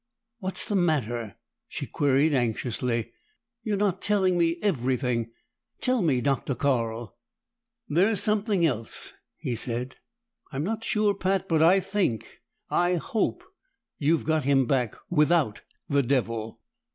"What's the matter?" she queried anxiously. "You're not telling me everything! Tell me, Dr. Carl!" "There's something else," he said. "I'm not sure, Pat, but I think I hope you've got him back without the devil!"